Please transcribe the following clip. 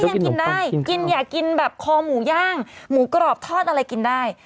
พี่ไม่ได้ยังกินได้อยากกินขาหมูย่างหมูกรอบทอดอะไรกินได้